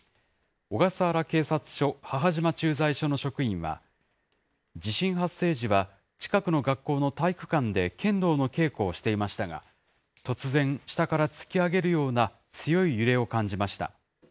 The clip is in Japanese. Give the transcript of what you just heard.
小笠原警察署母島駐在所の職員は、地震発生時は近くの学校の体育館で剣道の稽古をしていましたが、突然、下から突き上げるような強い揺れを感じました。